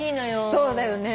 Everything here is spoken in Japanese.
そうだよね。